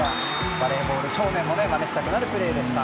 バレーボール少年も試したくなるプレーでした。